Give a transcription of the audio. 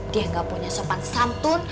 dia gak punya sopan santun